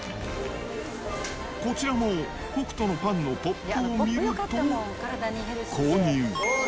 こちらも北斗のパンのポップを見ると購入。